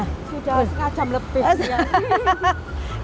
sudah sekitar jam lebih